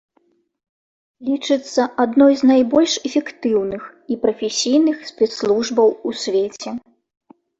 Лічыцца адной з найбольш эфектыўных і прафесійных спецслужбаў у свеце.